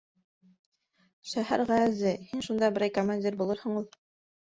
—Шәһәрғәәзе, һин шунда берәй командир булырһың ул.